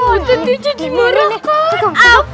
itu dicucuk gimana kak